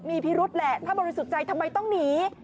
มีพิรุธแหละถ้าบริสุทธิ์ใจทำไมต้องหนี